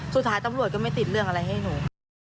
สุดท้ายตำรวจก็ไม่ติดเรื่องอะไรให้หนู